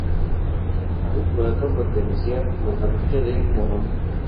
El nuevo curato pertenecía a la Parroquia de Morón.